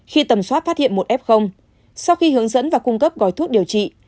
khi tầm soát phát hiện một f sau khi hướng dẫn và cung cấp gói thuốc điều trị